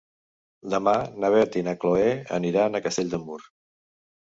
Demà na Beth i na Chloé aniran a Castell de Mur.